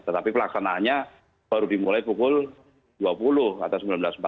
tetapi pelaksanaannya baru dimulai pukul dua puluh atau sembilan belas empat puluh